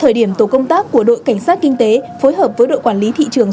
thời điểm tổ công tác của đội cảnh sát kinh tế phối hợp với đội quản lý thị trường